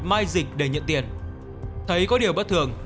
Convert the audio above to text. mai dịch để nhận tiền thấy có điều bất thường